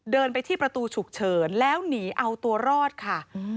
เดินไปที่ประตูฉุกเฉินแล้วหนีเอาตัวรอดค่ะ